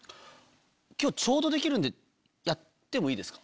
今日ちょうどできるんでやってもいいですか？